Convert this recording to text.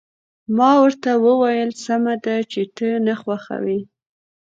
ما ورته وویل: سمه ده، چې ته نه خوښوې.